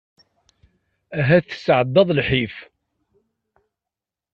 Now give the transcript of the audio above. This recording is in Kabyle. Ahat tesεeddaḍ lḥif.